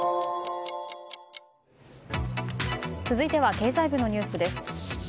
続いては経済部のニュースです。